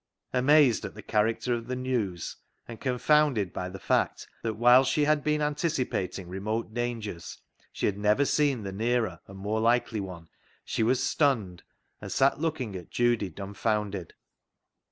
Amazed at the character of the news, and confounded by the fact that whilst she had been anticipating re mote dangers she had never seen the nearer and more likely one, she was stunned, and sat looking at Judy dumbfounded.